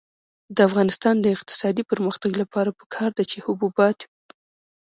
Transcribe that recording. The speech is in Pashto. د افغانستان د اقتصادي پرمختګ لپاره پکار ده چې حبوبات وي.